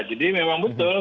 jadi memang betul